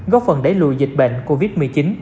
góp phần đẩy lùi dịch bệnh covid một mươi chín